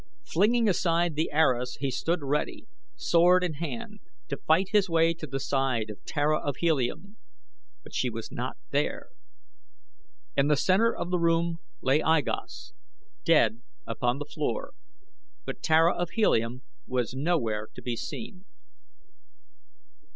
Flinging aside the arras he stood ready, sword in hand, to fight his way to the side of Tara of Helium but she was not there. In the center of the room lay I Gos, dead upon the floor; but Tara of Helium was nowhere to be seen.